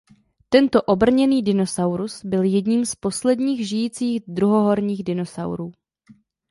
Tento obrněný dinosaurus byl jedním z posledních žijících druhohorních dinosaurů.